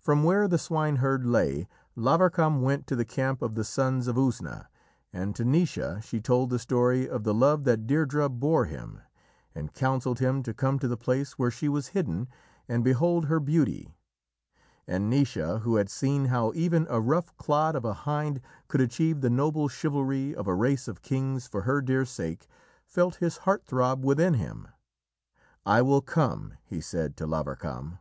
From where the swineherd lay, Lavarcam went to the camp of the Sons of Usna, and to Naoise she told the story of the love that Deirdrê bore him, and counselled him to come to the place where she was hidden, and behold her beauty. And Naoise, who had seen how even a rough clod of a hind could achieve the noble chivalry of a race of kings for her dear sake, felt his heart throb within him. "I will come," he said to Lavarcam.